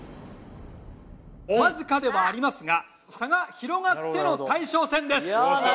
わずかではありますが差が広がっての大将戦です。